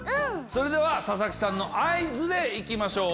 それでは佐々木さんの合図で行きましょう！